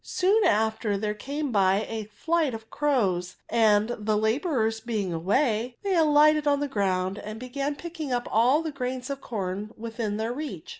Soon after there came by a flight of crows; and the labomrets being away,, they alighted cm the ground and began picking up all the grains of comr within their reach.